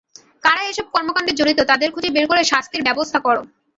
কারা এসব কর্মকাণ্ডে জড়িত, তাদের খুঁজে বের করে শাস্তির ব্যবস্থা করা হবে।